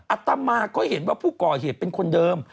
อัตมาก็เห็นว่าผู้ก่อเหตุเป็นคนเดิม